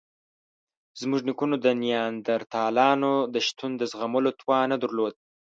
زموږ نیکونو د نیاندرتالانو د شتون د زغملو توان نه درلود.